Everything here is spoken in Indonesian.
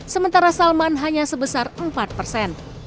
sementara salman hanya sebesar empat persen